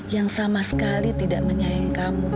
yang sama sekali tidak menyayang kamu